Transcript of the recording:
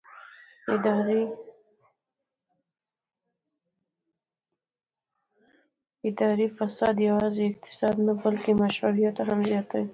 اداري فساد یوازې اقتصاد نه بلکې مشروعیت هم زیانمنوي